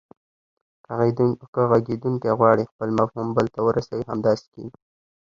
که غږیدونکی غواړي خپل مفهوم بل ته ورسوي همداسې کیږي